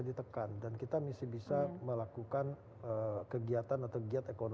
diberikan dan kita mesti bisa melakukan kegiatan atauassen becomes now